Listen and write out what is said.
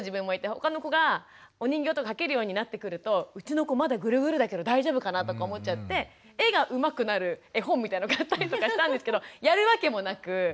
他の子がお人形とか描けるようになってくるとうちの子まだグルグルだけど大丈夫かな？とか思っちゃって絵がうまくなる絵本みたいなのを買ったりとかしたんですけどやるわけもなく。